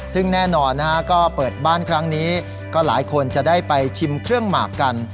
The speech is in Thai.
ซึ่งแน่นอนนะฮะก็เปิดบ้านครั้งนี้ก็หลายคนจะได้ไปชิมเครื่องหมากกัน